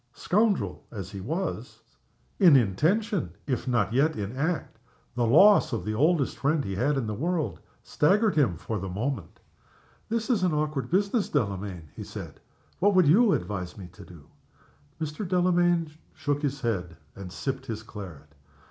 Scoundrel as he was in intention, if not yet in act the loss of the oldest friend he had in the world staggered him for the moment. "This is an awkward business, Delamayn," he said. "What would you advise me to do?" Mr. Delamayn shook his head, and sipped his claret.